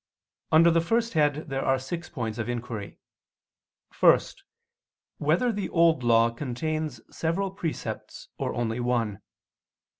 Under the first head there are six points of inquiry: (1) Whether the Old Law contains several precepts or only one?